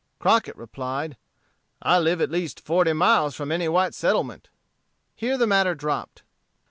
Crockett replied, "I live at least forty miles from any white settlement." Here the matter dropped.